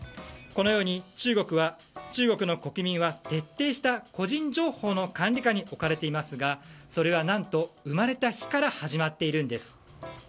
このように中国の国民は徹底した個人情報の管理下に置かれていますがそれは何と、生まれた日から始まっているんです。